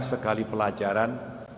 banyak sekali pelajaran